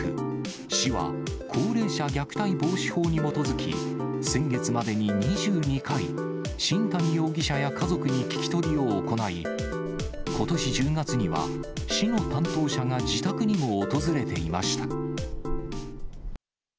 市は、高齢者虐待防止法に基づき、先月までに２２回、新谷容疑者や家族に聞き取りを行い、ことし１０月には市の担当者が自宅にも訪れていました。